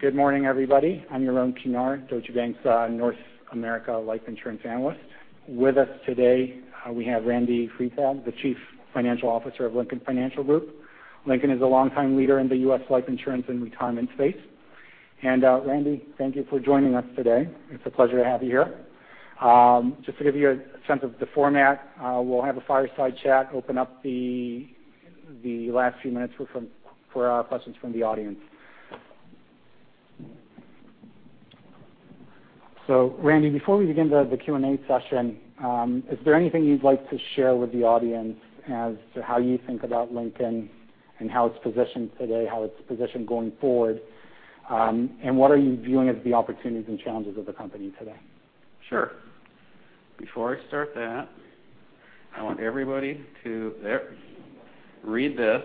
Good morning, everybody. I'm Yaron Pinar, Deutsche Bank's North America life insurance analyst. With us today, we have Randy Freitag, the Chief Financial Officer of Lincoln Financial Group. Lincoln is a long-time leader in the U.S. life insurance and retirement space. Randy, thank you for joining us today. It's a pleasure to have you here. Just to give you a sense of the format, we'll have a fireside chat, open up the last few minutes for questions from the audience. Randy, before we begin the Q&A session, is there anything you'd like to share with the audience as to how you think about Lincoln and how it's positioned today, how it's positioned going forward, and what are you viewing as the opportunities and challenges of the company today? Sure. Before I start that, I want everybody to read this.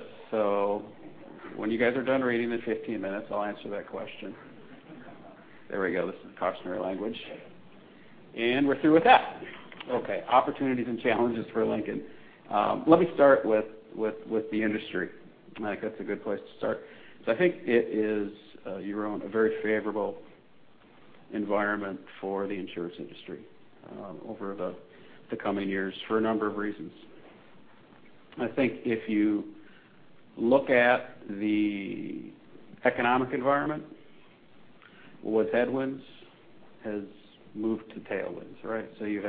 When you guys are done reading this in 15 minutes, I'll answer that question. There we go. This is the cautionary language. We're through with that. Okay. Opportunities and challenges for Lincoln. Let me start with the industry. I think that's a good place to start. I think it is, Yaron, a very favorable environment for the insurance industry over the coming years for a number of reasons. I think if you look at the economic environment, what headwinds has moved to tailwinds, right? You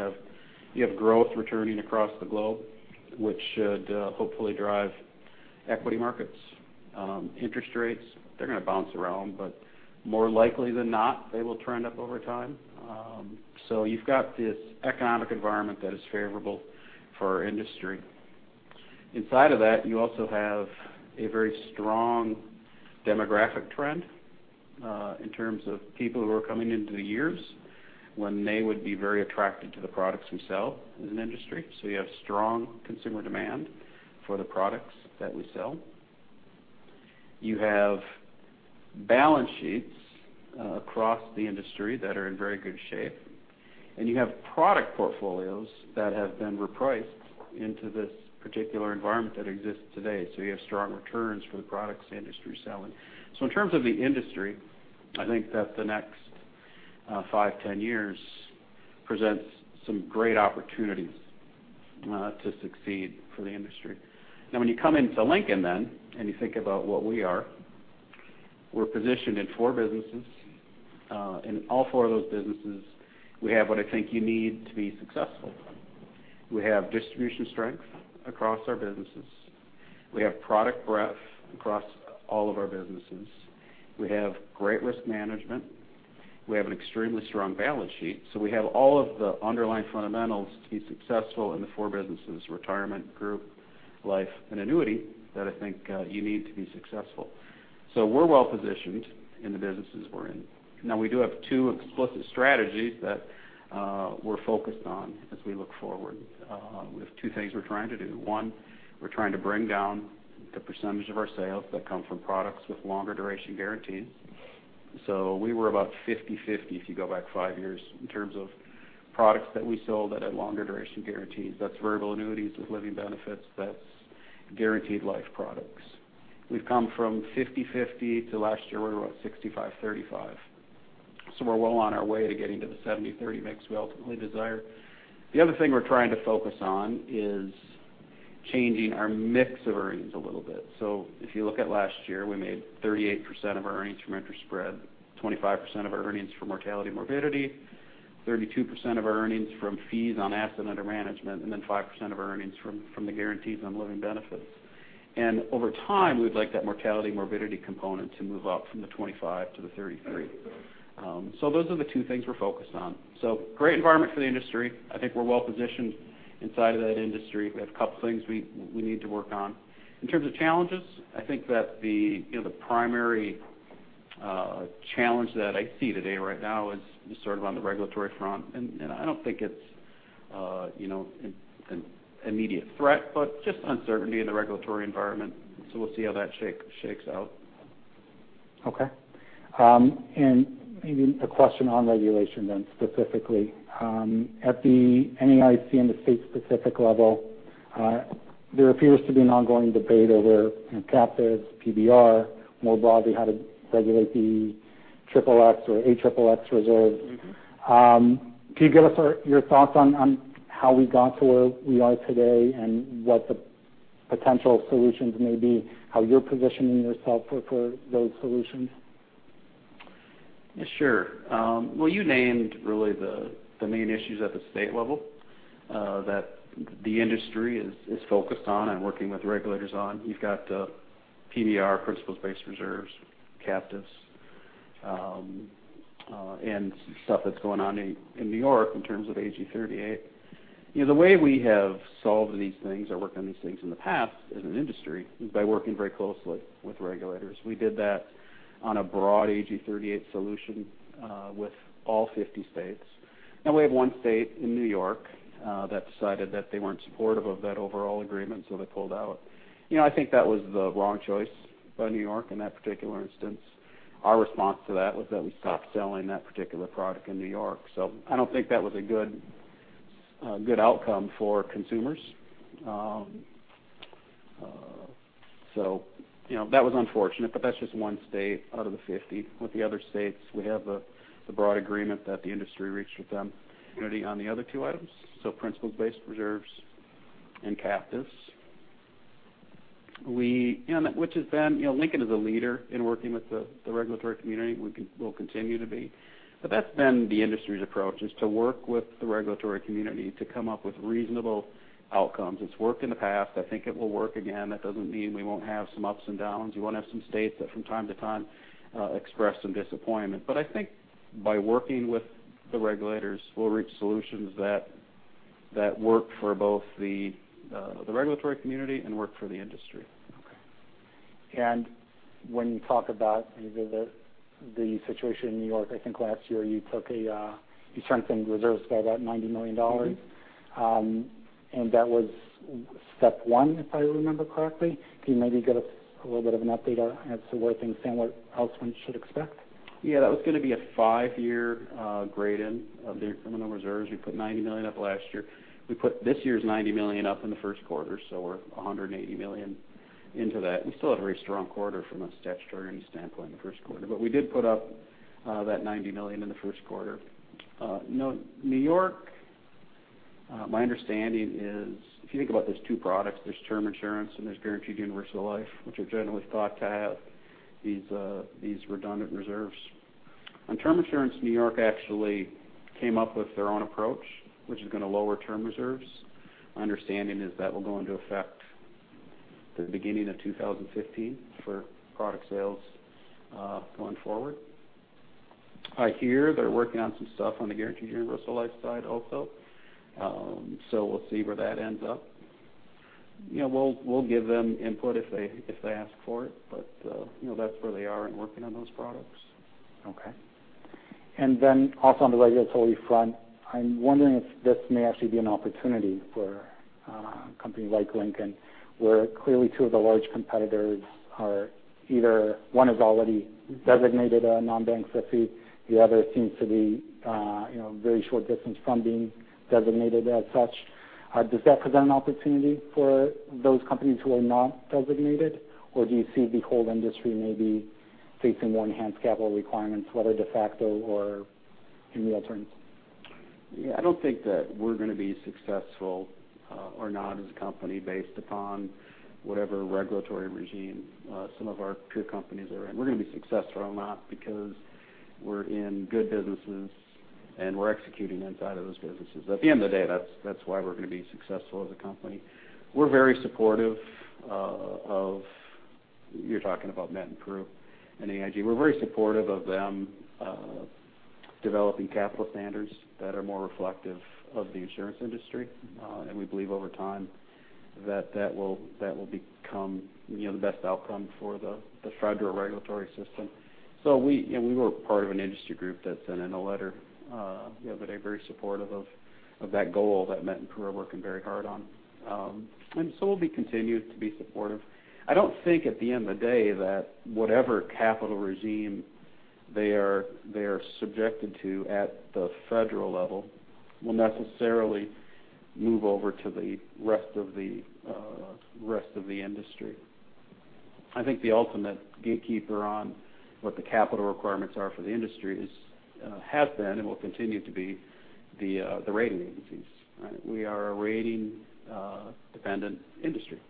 have growth returning across the globe, which should hopefully drive equity markets. Interest rates, they're going to bounce around, but more likely than not, they will trend up over time. You've got this economic environment that is favorable for our industry. Inside of that, you also have a very strong demographic trend in terms of people who are coming into the years when they would be very attracted to the products we sell as an industry. You have strong consumer demand for the products that we sell. You have balance sheets across the industry that are in very good shape. You have product portfolios that have been repriced into this particular environment that exists today. You have strong returns for the products the industry is selling. In terms of the industry, I think that the next 5, 10 years presents some great opportunities to succeed for the industry. When you come into Lincoln then, and you think about what we are, we're positioned in four businesses. In all four of those businesses, we have what I think you need to be successful. We have distribution strength across our businesses. We have product breadth across all of our businesses. We have great risk management. We have an extremely strong balance sheet. We have all of the underlying fundamentals to be successful in the four businesses, retirement, group, life, and annuity, that I think you need to be successful. We're well-positioned in the businesses we're in. We do have two explicit strategies that we're focused on as we look forward. We have two things we're trying to do. One, we're trying to bring down the percentage of our sales that come from products with longer duration guarantees. We were about 50/50 if you go back five years in terms of products that we sold that had longer duration guarantees. That's variable annuities with living benefits. That's guaranteed life products. We've come from 50/50 to last year, we were at 65/35. We're well on our way to getting to the 70/30 mix we ultimately desire. The other thing we're trying to focus on is changing our mix of earnings a little bit. If you look at last year, we made 38% of our earnings from interest spread, 25% of our earnings from mortality and morbidity, 32% of our earnings from fees on assets under management, and then 5% of our earnings from the guarantees on living benefits. Over time, we would like that mortality and morbidity component to move up from the 25 to the 33. Those are the two things we're focused on. Great environment for the industry. I think we're well-positioned inside of that industry. We have a couple of things we need to work on. In terms of challenges, I think that the primary challenge that I see today right now is sort of on the regulatory front, and I don't think it's an immediate threat, but just uncertainty in the regulatory environment. We'll see how that shakes out. Okay. Maybe a question on regulation then specifically. At the NAIC and the state specific level, there appears to be an ongoing debate over captives, PBR, more broadly how to regulate the XXX or AXXX reserves. Can you give us your thoughts on how we got to where we are today and what the potential solutions may be, how you're positioning yourself for those solutions? Sure. Well, you named really the main issues at the state level that the industry is focused on and working with regulators on. You've got PBR, principles-based reserves, captives, and stuff that's going on in New York in terms of AG 38. The way we have solved these things or worked on these things in the past as an industry is by working very closely with regulators. We did that on a broad AG 38 solution with all 50 states. We have one state in New York that decided that they weren't supportive of that overall agreement, they pulled out. I think that was the wrong choice by New York in that particular instance. Our response to that was that we stopped selling that particular product in New York. I don't think that was a good outcome for consumers. That was unfortunate, but that's just one state out of the 50. With the other states, we have the broad agreement that the industry reached with them on the other two items, principles-based reserves and captives. Lincoln is a leader in working with the regulatory community. We'll continue to be. That's been the industry's approach, is to work with the regulatory community to come up with reasonable outcomes. It's worked in the past. I think it will work again. That doesn't mean we won't have some ups and downs. You won't have some states that from time to time express some disappointment. I think by working with the regulators, we'll reach solutions that work for both the regulatory community and work for the industry. Okay. When you talk about the situation in New York, I think last year you strengthened reserves by about $90 million. That was step 1, if I remember correctly. Can you maybe give us a little bit of an update as to where things stand, what else one should expect? Yeah. That was going to be a five-year grade in of the minimum reserves. We put $90 million up last year. We put this year's $90 million up in the first quarter, so we're $180 million into that. We still had a very strong quarter from a statutory standpoint in the first quarter. We did put up that $90 million in the first quarter. New York, my understanding is, if you think about those two products, there's term insurance and there's guaranteed universal life, which are generally thought to have these redundant reserves. On term insurance, New York actually came up with their own approach, which is going to lower term reserves. My understanding is that will go into effect the beginning of 2015 for product sales going forward. I hear they're working on some stuff on the guaranteed universal life side also. We'll see where that ends up. We'll give them input if they ask for it. That's where they are in working on those products. Okay. Also on the regulatory front, I'm wondering if this may actually be an opportunity for a company like Lincoln, where clearly two of the large competitors are, either one is already designated a non-bank SIFI, the other seems to be a very short distance from being designated as such. Does that present an opportunity for those companies who are not designated, or do you see the whole industry maybe facing more enhanced capital requirements, whether de facto or any alternatives? Yeah, I don't think that we're going to be successful or not as a company based upon whatever regulatory regime some of our peer companies are in. We're going to be successful or not because we're in good businesses, and we're executing inside of those businesses. At the end of the day, that's why we're going to be successful as a company. We're very supportive of, you're talking about Met and Pru, and AIG. We're very supportive of them developing capital standards that are more reflective of the insurance industry. We believe over time that will become the best outcome for the federal regulatory system. We were part of an industry group that sent in a letter the other day very supportive of that goal that Met and Pru are working very hard on. We'll be continued to be supportive. I don't think at the end of the day that whatever capital regime they are subjected to at the federal level will necessarily move over to the rest of the industry. I think the ultimate gatekeeper on what the capital requirements are for the industry has been and will continue to be the rating agencies. We are a rating-dependent industry.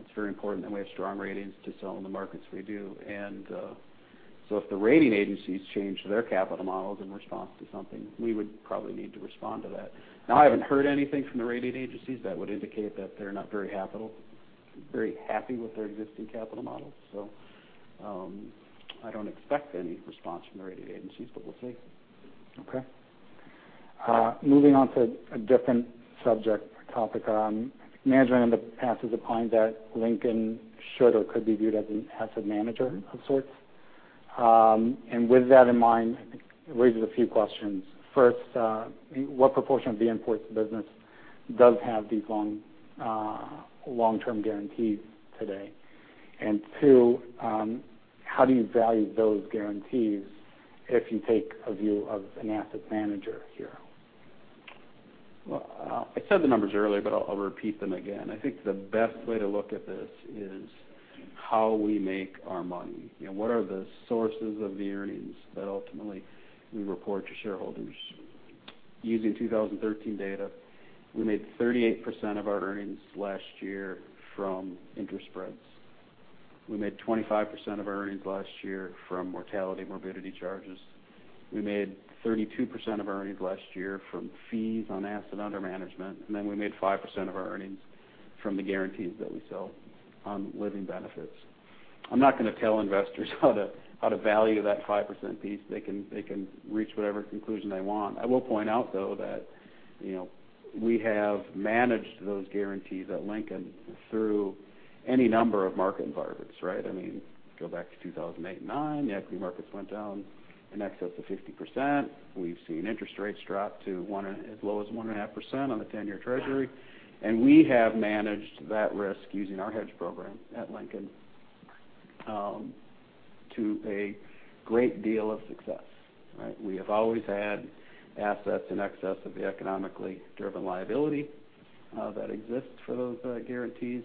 It's very important that we have strong ratings to sell in the markets we do. If the rating agencies change their capital models in response to something, we would probably need to respond to that. I haven't heard anything from the rating agencies that would indicate that they're not very happy with their existing capital models. I don't expect any response from the rating agencies, but we'll see. Moving on to a different subject topic. Management in the past has opined that Lincoln should or could be viewed as an asset manager of sorts. With that in mind, I think it raises a few questions. First, what proportion of the in-force business does have these long-term guarantees today? Two, how do you value those guarantees if you take a view of an asset manager here? I said the numbers earlier, but I'll repeat them again. I think the best way to look at this is how we make our money and what are the sources of the earnings that ultimately we report to shareholders. Using 2013 data, we made 38% of our earnings last year from interest spreads. We made 25% of our earnings last year from mortality and morbidity charges. We made 32% of our earnings last year from fees on assets under management. We made 5% of our earnings from the guarantees that we sell on living benefits. I'm not going to tell investors how to value that 5% piece. They can reach whatever conclusion they want. I will point out, though, that we have managed those guarantees at Lincoln through any number of market environments, right? I mean, go back to 2008 and 2009, the equity markets went down in excess of 50%. We've seen interest rates drop to as low as 1.5% on the 10-year Treasury. We have managed that risk using our hedge program at Lincoln. To a great deal of success, right? We have always had assets in excess of the economically driven liability that exists for those guarantees.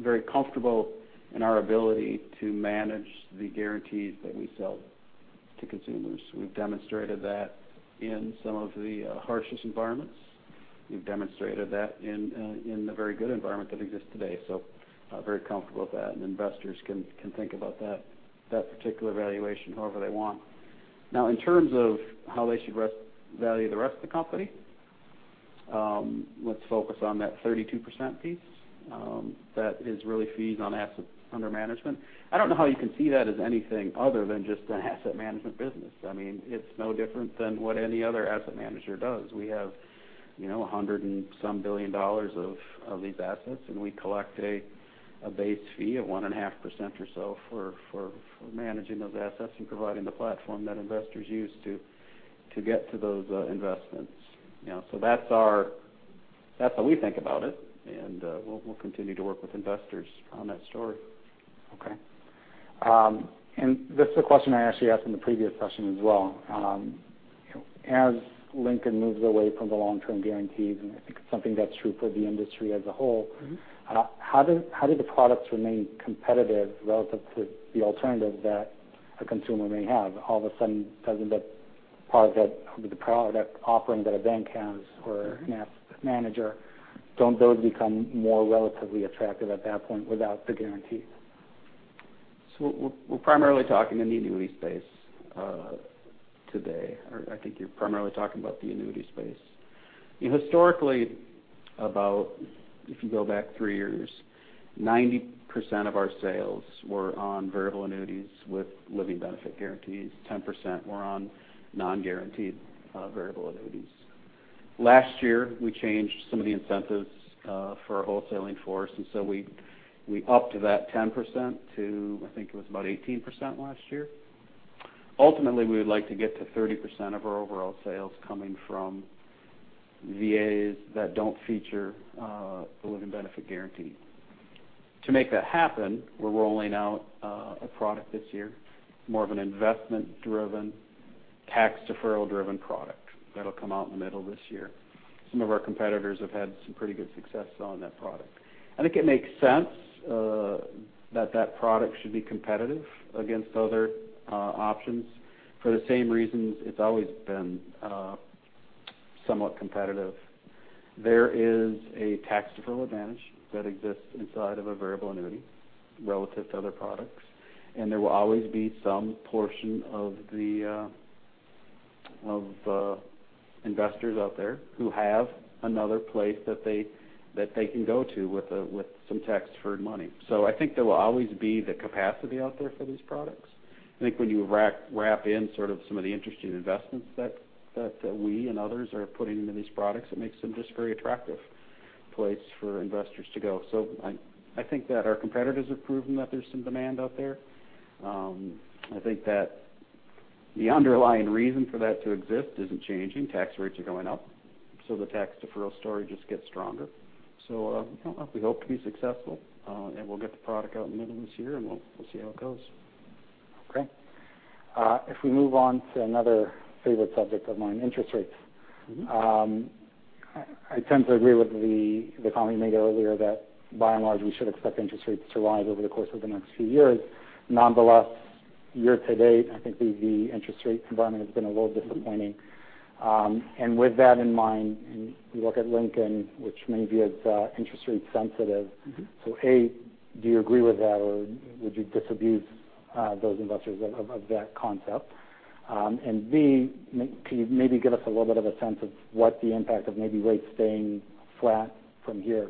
Very comfortable in our ability to manage the guarantees that we sell to consumers. We've demonstrated that in some of the harshest environments. We've demonstrated that in the very good environment that exists today. Very comfortable with that, investors can think about that particular valuation however they want. In terms of how they should value the rest of the company, let's focus on that 32% piece that is really fees on assets under management. I don't know how you can see that as anything other than just an asset management business. I mean, it's no different than what any other asset manager does. We have $100 and some billion of these assets, and we collect a base fee of 1.5% or so for managing those assets and providing the platform that investors use to get to those investments. That's how we think about it, and we'll continue to work with investors on that story. Okay. This is a question I actually asked in the previous session as well. As Lincoln moves away from the long-term guarantees, and I think it's something that's true for the industry as a whole. How do the products remain competitive relative to the alternative that a consumer may have? All of a sudden, doesn't that part of that offering that a bank has or an asset manager, don't those become more relatively attractive at that point without the guarantee? We're primarily talking in the annuity space, today. I think you're primarily talking about the annuity space. Historically, about if you go back three years, 90% of our sales were on variable annuities with living benefit guarantees. 10% were on non-guaranteed variable annuities. Last year, we changed some of the incentives for our wholesaling force, we upped that 10% to, I think it was about 18% last year. Ultimately, we would like to get to 30% of our overall sales coming from VAs that don't feature a living benefit guarantee. To make that happen, we're rolling out a product this year, more of an investment driven, tax deferral driven product. That'll come out in the middle of this year. Some of our competitors have had some pretty good success on that product. I think it makes sense that that product should be competitive against other options for the same reasons it's always been somewhat competitive. There is a tax deferral advantage that exists inside of a variable annuity relative to other products, and there will always be some portion of investors out there who have another place that they can go to with some tax-deferred money. I think there will always be the capacity out there for these products. I think when you wrap in sort of some of the interesting investments that we and others are putting into these products, it makes them just very attractive place for investors to go. I think that our competitors have proven that there's some demand out there. I think that the underlying reason for that to exist isn't changing. Tax rates are going up. The tax deferral story just gets stronger. We hope to be successful. We'll get the product out in the middle of this year, and we'll see how it goes. Okay. If we move on to another favorite subject of mine, interest rates. I tend to agree with the comment you made earlier that by and large, we should expect interest rates to rise over the course of the next few years. Nonetheless, year to date, I think the interest rate environment has been a little disappointing. With that in mind, and you look at Lincoln, which may be as interest rate sensitive. A, do you agree with that, or would you disabuse those investors of that concept? B, can you maybe give us a little bit of a sense of what the impact of maybe rates staying flat from here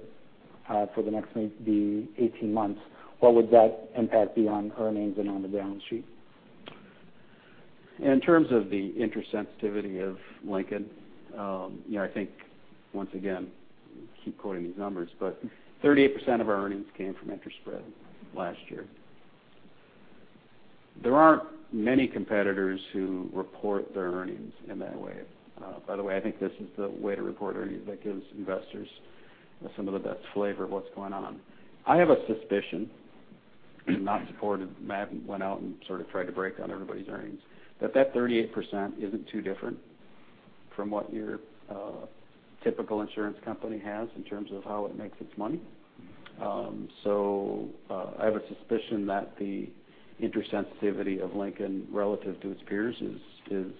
for the next maybe 18 months, what would that impact be on earnings and on the balance sheet? In terms of the interest sensitivity of Lincoln, I think once again, keep quoting these numbers, but 38% of our earnings came from interest spread last year. There aren't many competitors who report their earnings in that way. By the way, I think this is the way to report earnings that gives investors some of the best flavor of what's going on. I have a suspicion, not supported. I haven't went out and sort of tried to break down everybody's earnings. That 38% isn't too different from what your typical insurance company has in terms of how it makes its money. I have a suspicion that the interest sensitivity of Lincoln relative to its peers is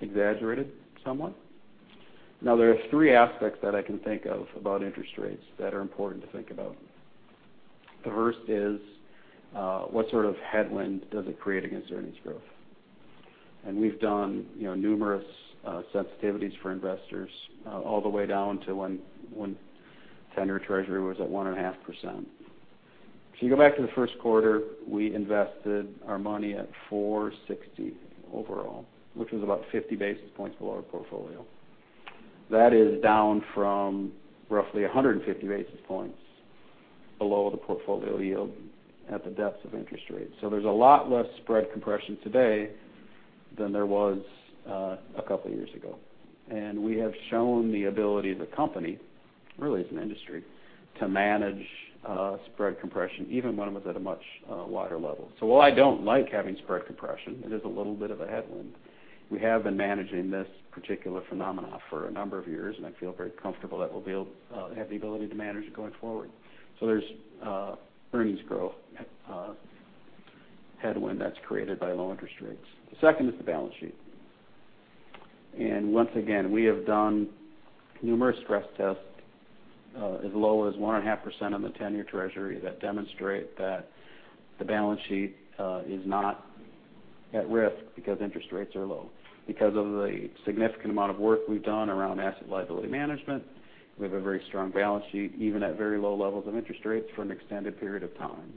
exaggerated somewhat. There are three aspects that I can think of about interest rates that are important to think about. The first is, what sort of headwind does it create against earnings growth? We've done numerous sensitivities for investors all the way down to when 10-year Treasury was at 1.5%. If you go back to the first quarter, we invested our money at 460 overall, which was about 50 basis points below our portfolio. That is down from roughly 150 basis points below the portfolio yield at the depths of interest rates. There's a lot less spread compression today than there was a couple of years ago. We have shown the ability of the company, really as an industry, to manage spread compression even when it was at a much wider level. While I don't like having spread compression, it is a little bit of a headwind. We have been managing this particular phenomenon for a number of years, and I feel very comfortable that we'll have the ability to manage it going forward. There's earnings growth headwind that's created by low interest rates. The second is the balance sheet. Once again, we have done numerous stress tests as low as 1.5% on the 10-year Treasury that demonstrate that the balance sheet is not at risk because interest rates are low. Because of the significant amount of work we've done around asset liability management, we have a very strong balance sheet, even at very low levels of interest rates for an extended period of time.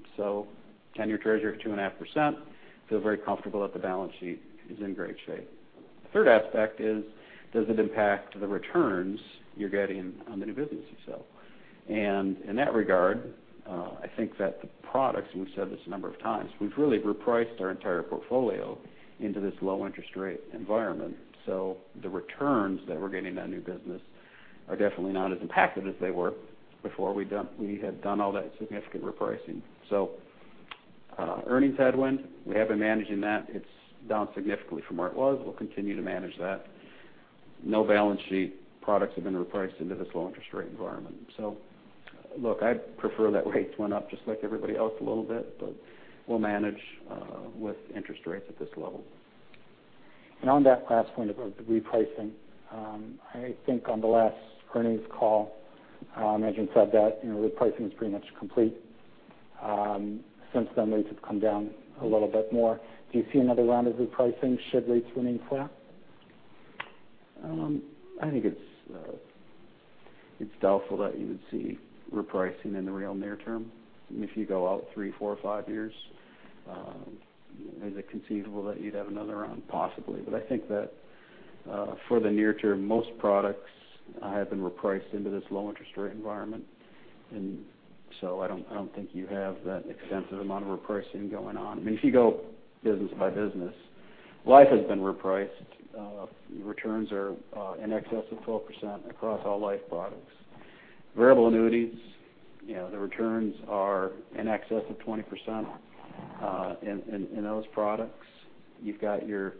10-year Treasury of 2.5%, feel very comfortable that the balance sheet is in great shape. The third aspect is, does it impact the returns you're getting on the new business you sell? In that regard, I think that the products, we've said this a number of times, we've really repriced our entire portfolio into this low interest rate environment. The returns that we're getting on new business are definitely not as impacted as they were before we had done all that significant repricing. Earnings headwind, we have been managing that. It's down significantly from where it was. We'll continue to manage that. No balance sheet products have been repriced into this low interest rate environment. Look, I'd prefer that rates went up just like everybody else a little bit, but we'll manage with interest rates at this level. On that last point about the repricing, I think on the last earnings call, management said that repricing is pretty much complete. Since then, rates have come down a little bit more. Do you see another round of repricing should rates remain flat? I think it's doubtful that you would see repricing in the real near term. If you go out three, four, or five years, is it conceivable that you'd have another round? Possibly. I think that for the near term, most products have been repriced into this low interest rate environment. I don't think you have that extensive amount of repricing going on. If you go business by business, life has been repriced. Returns are in excess of 12% across all life products. Variable annuities, the returns are in excess of 20% in those products. You've got your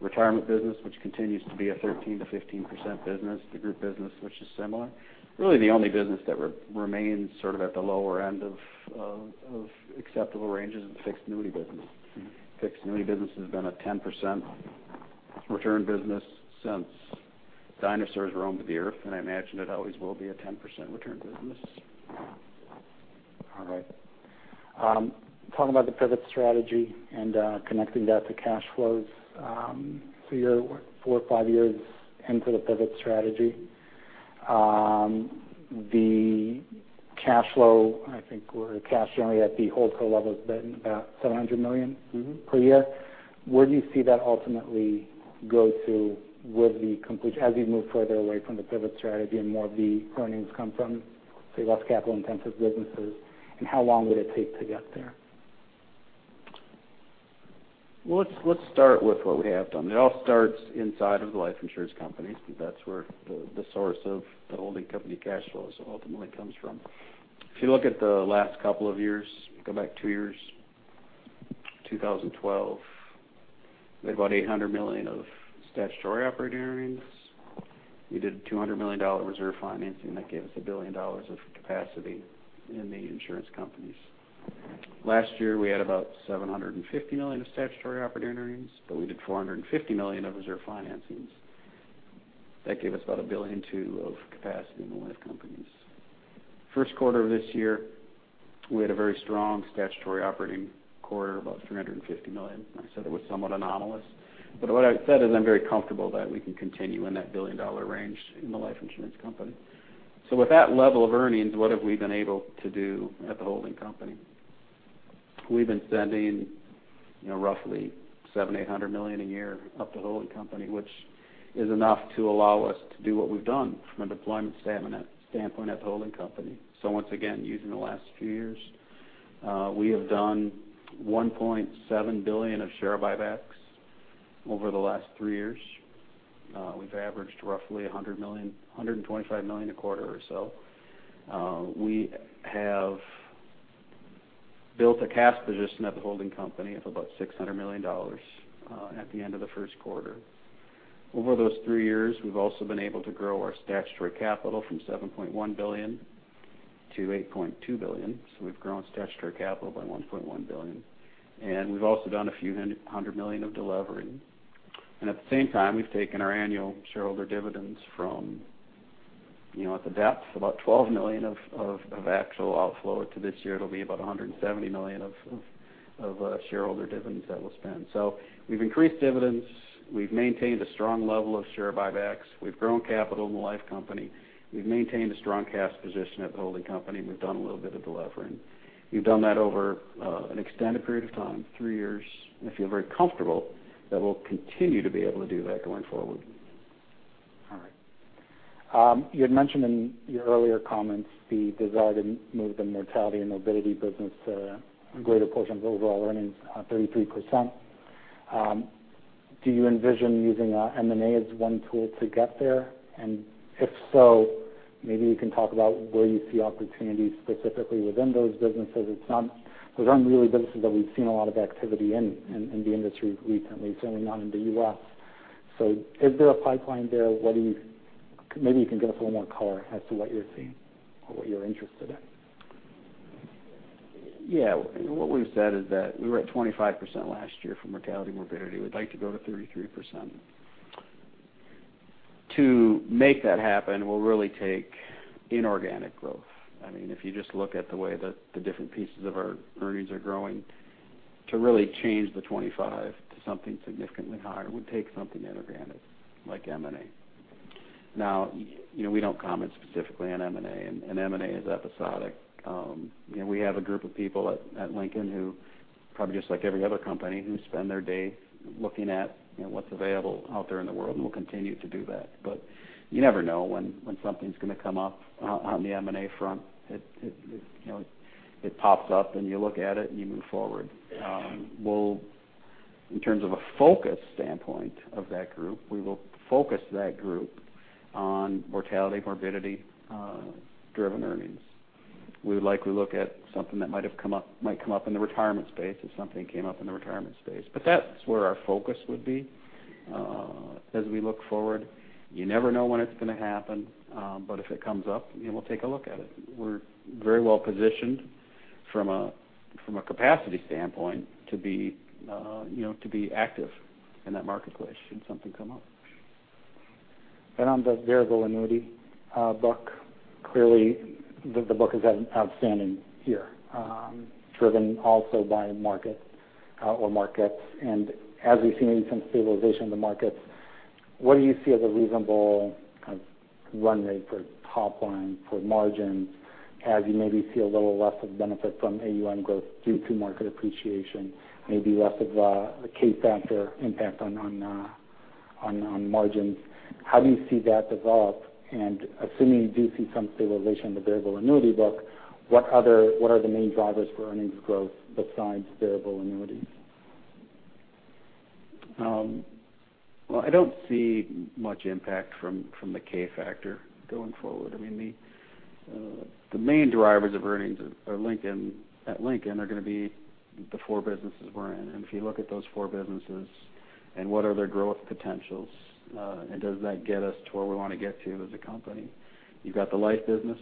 retirement business, which continues to be a 13%-15% business. The group business, which is similar. Really the only business that remains at the lower end of acceptable range is the fixed annuity business. Fixed annuity business has been a 10% return business since dinosaurs roamed the Earth, I imagine it always will be a 10% return business. All right. Talking about the pivot strategy and connecting that to cash flows. You're four or five years into the pivot strategy. The cash flow, I think cash generally at the holdco level is about $700 million per year. Where do you see that ultimately go to as you move further away from the pivot strategy and more of the earnings come from, say, less capital-intensive businesses? How long would it take to get there? Well, let's start with what we have done. It all starts inside of the life insurance companies because that's where the source of the holding company cash flows ultimately comes from. If you look at the last couple of years, go back two years, 2012, we had about $800 million of statutory operating earnings. We did a $200 million reserve financing that gave us $1 billion of capacity in the insurance companies. Last year, we had about $750 million of statutory operating earnings, we did $450 million of reserve financings. That gave us about $1.2 billion of capacity in the life companies. First quarter of this year, we had a very strong statutory operating quarter, about $350 million. I said it was somewhat anomalous. What I said is I'm very comfortable that we can continue in that billion-dollar range in the life insurance company. With that level of earnings, what have we been able to do at the holding company? We've been sending roughly $700, $800 million a year up to the holding company, which is enough to allow us to do what we've done from a deployment standpoint at the holding company. Once again, using the last few years, we have done $1.7 billion of share buybacks over the last three years. We've averaged roughly $125 million a quarter or so. We have built a cash position at the holding company of about $600 million at the end of the first quarter. Over those three years, we've also been able to grow our statutory capital from $7.1 billion to $8.2 billion. We've grown statutory capital by $1.1 billion. We've also done a few hundred million of de-levering. At the same time, we've taken our annual shareholder dividends from, at the depths, about $12 million of actual outflow to this year, it'll be about $170 million of shareholder dividends that we'll spend. We've increased dividends, we've maintained a strong level of share buybacks, we've grown capital in the life company, we've maintained a strong cash position at the holding company, and we've done a little bit of de-levering. We've done that over an extended period of time, three years, I feel very comfortable that we'll continue to be able to do that going forward. All right. You had mentioned in your earlier comments the desire to move the mortality and morbidity business to a greater portion of overall earnings, 33%. Do you envision using M&A as one tool to get there? If so, maybe you can talk about where you see opportunities specifically within those businesses. Those aren't really businesses that we've seen a lot of activity in the industry recently, certainly not in the U.S. Is there a pipeline there? Maybe you can give us a little more color as to what you're seeing or what you're interested in. Yeah. What we've said is that we were at 25% last year for mortality and morbidity. We'd like to go to 33%. To make that happen will really take inorganic growth. If you just look at the way the different pieces of our earnings are growing, to really change the 25 to something significantly higher would take something inorganic, like M&A. We don't comment specifically on M&A, M&A is episodic. We have a group of people at Lincoln who, probably just like every other company, who spend their day looking at what's available out there in the world, and we'll continue to do that. You never know when something's going to come up on the M&A front. It pops up, you look at it, and you move forward. In terms of a focus standpoint of that group, we will focus that group on mortality, morbidity-driven earnings. We would likely look at something that might come up in the retirement space if something came up in the retirement space. That's where our focus would be as we look forward. You never know when it's going to happen, if it comes up, we'll take a look at it. We're very well positioned from a capacity standpoint to be active in that marketplace should something come up. On the variable annuity book, clearly, the book has had an outstanding year, driven also by market or markets. As we've seen some stabilization in the markets, what do you see as a reasonable kind of run rate for top line, for margins, as you maybe see a little less of benefit from AUM growth due to market appreciation, maybe less of a K-factor impact on margins? How do you see that develop? Assuming you do see some stabilization in the variable annuity book, what are the main drivers for earnings growth besides variable annuities? Well, I don't see much impact from the K-factor going forward. The main drivers of earnings at Lincoln are going to be the four businesses we're in. If you look at those four businesses and what are their growth potentials, and does that get us to where we want to get to as a company? You've got the life business,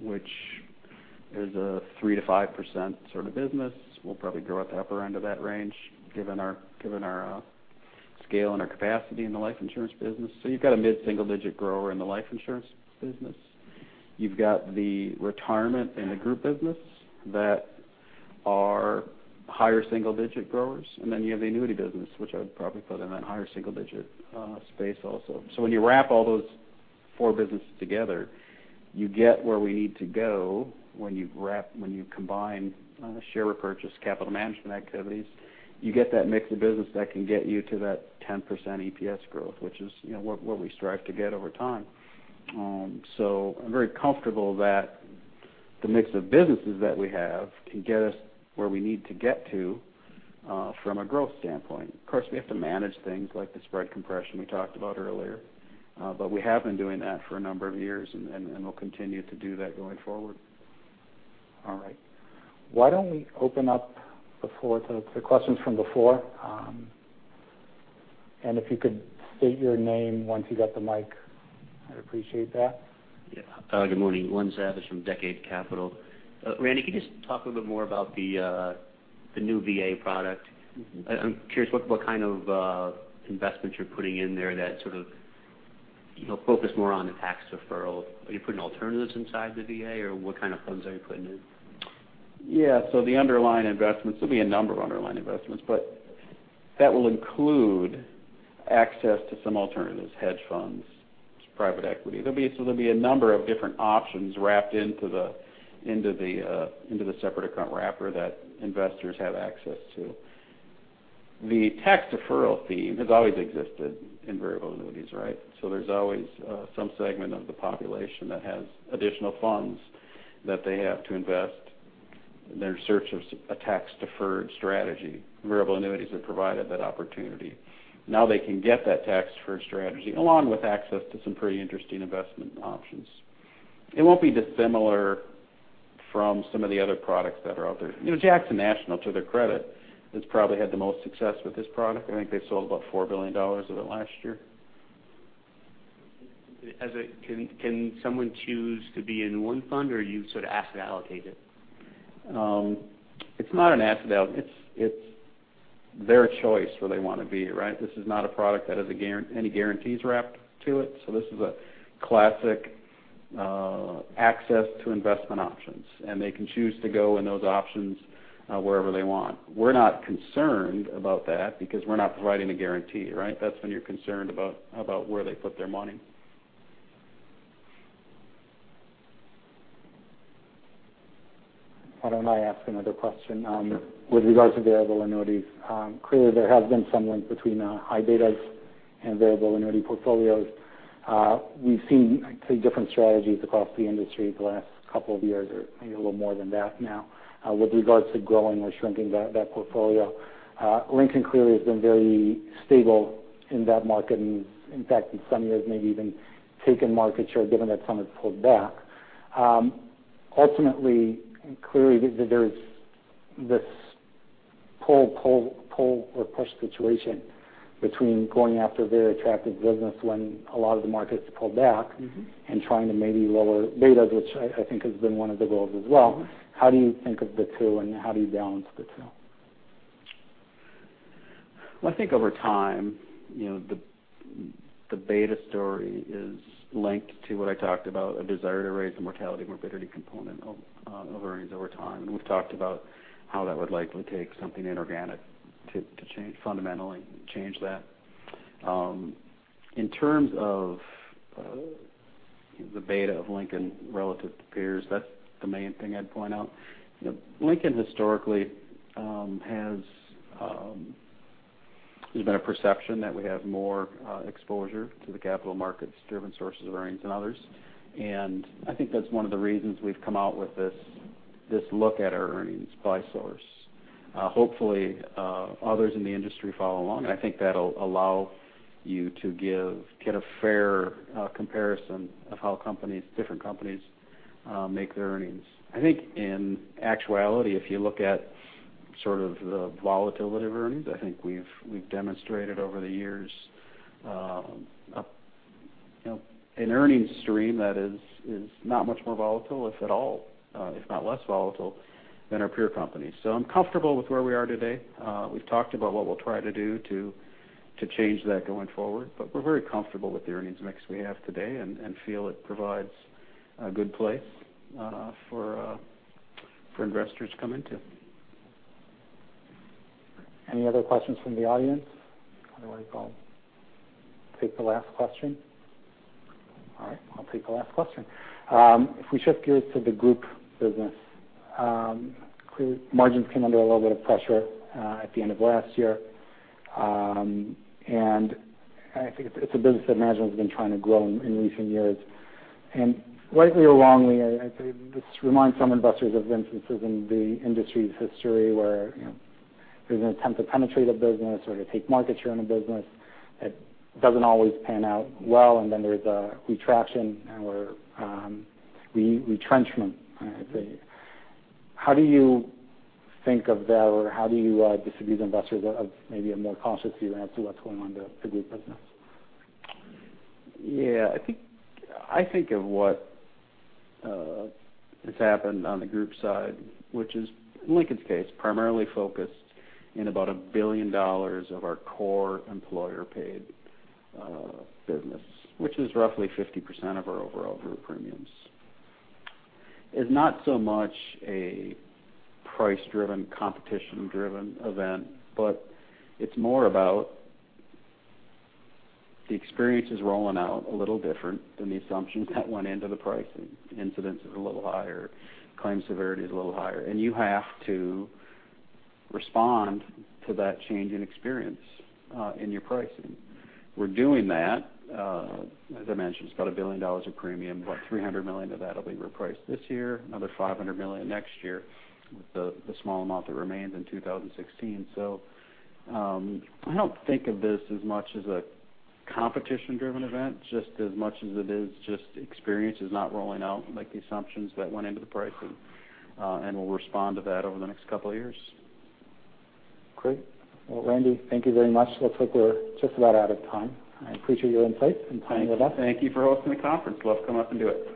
which is a 3%-5% sort of business. We'll probably grow at the upper end of that range, given our scale and our capacity in the life insurance business. You've got a mid-single-digit grower in the life insurance business. You've got the retirement and the group business that are higher single-digit growers. Then you have the annuity business, which I would probably put in that higher single-digit space also. When you wrap all those four businesses together, you get where we need to go when you combine share repurchase, capital management activities. You get that mix of business that can get you to that 10% EPS growth, which is what we strive to get over time. I'm very comfortable that the mix of businesses that we have can get us where we need to get to from a growth standpoint. Of course, we have to manage things like the spread compression we talked about earlier. We have been doing that for a number of years, and we'll continue to do that going forward. All right. Why don't we open up the floor to questions from the floor? If you could state your name once you get the mic, I'd appreciate that. Yeah. Good morning. Len Savage from Decade Capital. Randy, can you just talk a little bit more about the new VA product? I'm curious what kind of investments you're putting in there that sort of focus more on the tax deferral. Are you putting alternatives inside the VA, or what kind of funds are you putting in? Yeah. The underlying investments, there'll be a number of underlying investments, but that will include access to some alternatives, hedge funds, private equity. There'll be a number of different options wrapped into the separate account wrapper that investors have access to. The tax deferral theme has always existed in variable annuities, right? There's always some segment of the population that has additional funds that they have to invest. They're in search of a tax-deferred strategy. Variable annuities have provided that opportunity. Now they can get that tax-deferred strategy along with access to some pretty interesting investment options. It won't be dissimilar from some of the other products that are out there. Jackson National, to their credit, has probably had the most success with this product. I think they sold about $4 billion of it last year. Can someone choose to be in one fund, or you sort of asset allocate it? It's not an asset allocate. It's their choice where they want to be, right? This is not a product that has any guarantees wrapped to it. This is a classic access to investment options, and they can choose to go in those options wherever they want. We're not concerned about that because we're not providing a guarantee, right? That's when you're concerned about where they put their money. Why don't I ask another question? With regards to variable annuities, clearly, there has been some link between high betas and variable annuity portfolios. We've seen, I'd say, different strategies across the industry the last couple of years or maybe a little more than that now with regards to growing or shrinking that portfolio. Lincoln clearly has been very stable in that market. In fact, in some years, maybe even taken market share given that some have pulled back. Ultimately, clearly, there's this pull or push situation between going after very attractive business when a lot of the markets pull back, and trying to maybe lower betas, which I think has been one of the goals as well. How do you think of the two, and how do you balance the two? Well, I think over time, the beta story is linked to what I talked about, a desire to raise the mortality and morbidity component of earnings over time. We've talked about how that would likely take something inorganic to fundamentally change that. In terms of the beta of Lincoln relative to peers, that's the main thing I'd point out. There's been a perception that we have more exposure to the capital markets driven sources of earnings than others. I think that's one of the reasons we've come out with this look at our earnings by source. Hopefully, others in the industry follow along. I think that'll allow you to get a fair comparison of how different companies make their earnings. I think in actuality, if you look at sort of the volatility of earnings, I think we've demonstrated over the years an earnings stream that is not much more volatile, if at all, if not less volatile than our peer companies. I'm comfortable with where we are today. We've talked about what we'll try to do to change that going forward. We're very comfortable with the earnings mix we have today and feel it provides a good place for investors to come into. Any other questions from the audience? Otherwise, I'll take the last question. All right, I'll take the last question. If we shift gears to the group business. Clearly, margins came under a little bit of pressure at the end of last year. I think it's a business that management's been trying to grow in recent years. Rightly or wrongly, I'd say this reminds some investors of instances in the industry's history where there's an attempt to penetrate a business or to take market share in a business. It doesn't always pan out well, and then there's a retraction or retrenchment, I'd say. How do you think of that, or how do you disabuse investors of maybe a more cautious view as to what's going on to group business? Yeah. I think of what has happened on the Group side, which is, in Lincoln's case, primarily focused in about $1 billion of our core employer paid business, which is roughly 50% of our overall group premiums. It's not so much a price-driven, competition-driven event, but it's more about the experience is rolling out a little different than the assumptions that went into the pricing. Incidence is a little higher, claim severity is a little higher, and you have to respond to that change in experience in your pricing. We're doing that. As I mentioned, it's about $1 billion of premium. About $300 million of that'll be repriced this year, another $500 million next year, with the small amount that remains in 2016. I don't think of this as much as a competition-driven event, just as much as it is just experience is not rolling out like the assumptions that went into the pricing. We'll respond to that over the next couple of years. Great. Well, Randy, thank you very much. Looks like we're just about out of time. I appreciate your insights and time with us. Thank you for hosting the Conference. Love to come up and do it.